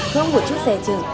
không buộc chút xe chừng